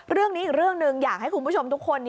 เรื่องนี้อีกเรื่องหนึ่งอยากให้คุณผู้ชมทุกคน